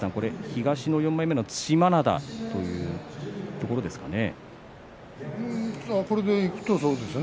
東の４枚目の對馬洋というところですかね。